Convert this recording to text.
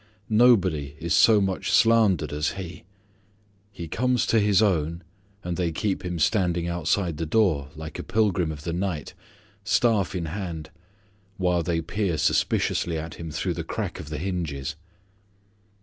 Nobody is so much slandered as He. He comes to His own, and they keep Him standing outside the door, like a pilgrim of the night, staff in hand, while they peer suspiciously at Him through the crack of the hinges.